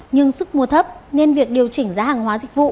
nhưng sức mua thấp nên việc điều chỉnh giá hàng hóa dịch vụ